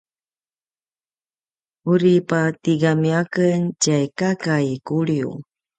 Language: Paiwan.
uri patigami a ken tjay kaka i Kuliu